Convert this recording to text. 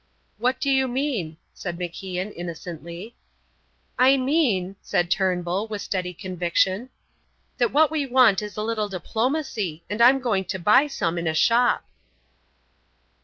"What do you mean?" said MacIan, innocently. "I mean," said Turnbull, with steady conviction, "that what we want is a little diplomacy, and I am going to buy some in a shop."